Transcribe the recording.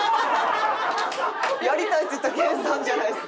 やりたいって言ったの研さんじゃないですか。